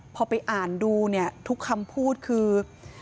พอไปอ่านดูเนี่ยทุกคำพูดคือ